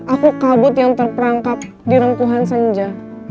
aku kabut yang terperangkap di rengkuhan senja